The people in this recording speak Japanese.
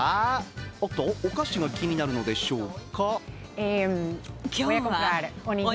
おっと、お菓子が気になるのでしょうか。